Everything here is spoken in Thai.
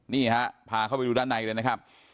นี่ฮะพาเข้าไปดูด้านในเลยนะครับ